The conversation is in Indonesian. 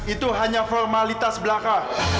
itu hanya formalitas belaka